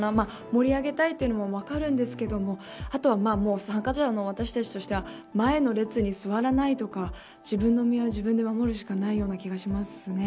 盛り上げたいというのも分かるんですけどあとは私たちとしては前の列に座らないとか自分の身を自分で守るしかないような気がしますね。